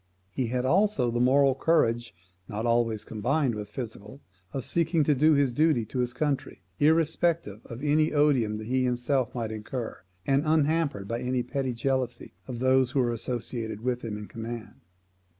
He had also the moral courage, not always combined with physical of seeking to do his duty to his country, irrespectively of any odium that he himself might incur, and unhampered by any petty jealousy of those who were associated with him in command.